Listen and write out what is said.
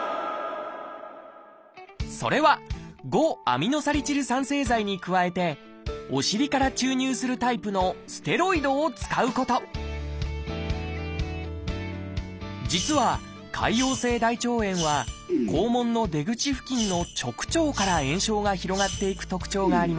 それは「５−アミノサリチル酸製剤」に加えてお尻から注入するタイプのステロイドを使うこと実は潰瘍性大腸炎は肛門の出口付近の直腸から炎症が広がっていく特徴があります。